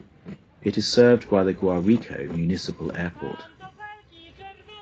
It is served by the Guarico Municipal Airport.